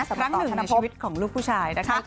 ครั้งหนึ่งในชีวิตของลูกผู้ชายนะคะ